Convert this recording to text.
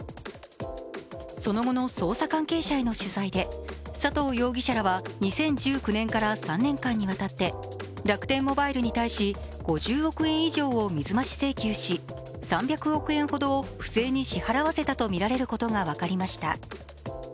その後の捜査関係者への取材で、佐藤容疑者らは２０１９年から３年間にわたって楽天モバイルに対し５０億円以上を水増し請求し、３００億円ほどを不正に支払わせたとみられることが分かりました。